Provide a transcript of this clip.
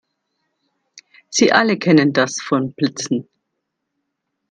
Sie alle kennen das von Blitzen.